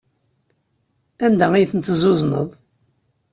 Anda ay ten-tezzuzneḍ?